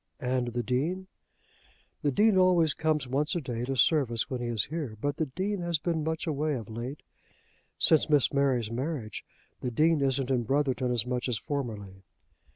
"And the Dean?" "The Dean always comes once a day to service when he is here; but the Dean has been much away of late. Since Miss Mary's marriage the Dean isn't in Brotherton as much as formerly."